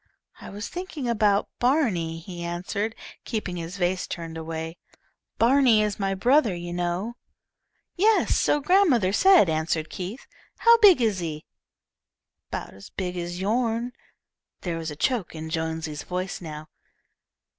"I was thinking about Barney," he answered, keeping his face turned away. "Barney is my brother, you know." "Yes, so grandmother said," answered Keith. "How big is he?" "'Bout as big as yourn." There was a choke in Jonesy's voice now.